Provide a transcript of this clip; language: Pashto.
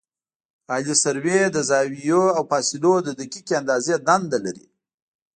عالي سروې د زاویو او فاصلو د دقیقې اندازې دنده لري